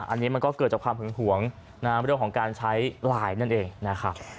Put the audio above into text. อันนี้มันก็เกิดจากความหึงหวงเรื่องของการใช้ไลน์นั่นเองนะครับ